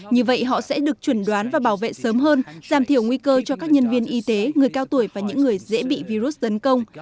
như vậy họ sẽ được chuẩn đoán và bảo vệ sớm hơn giảm thiểu nguy cơ cho các nhân viên y tế người cao tuổi và những người dễ bị virus tấn công